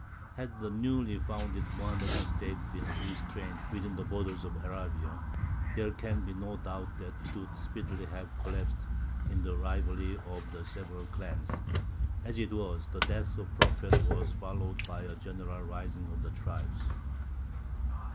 Had the newly founded Mohammedan State been restrained within the borders of Arabia, there can be no doubt that it would speedily have collapsed in the rivalry of the several clans; as it was, the death of the Prophet was followed by a general rising of the tribes.